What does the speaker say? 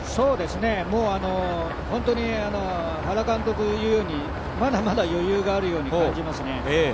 本当に原監督言うように、まだまだ余裕があるように感じますね。